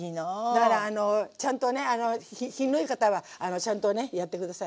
だからあのちゃんとね品のいい方はちゃんとねやって下さい。